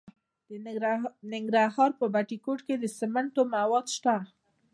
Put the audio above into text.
د ننګرهار په بټي کوټ کې د سمنټو مواد شته.